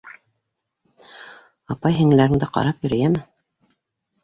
Апай-һеңлеләреңде ҡарап йөрө, йәме.